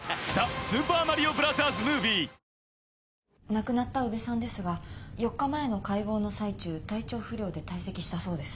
亡くなった宇部さんですが４日前の解剖の最中体調不良で退席したそうです。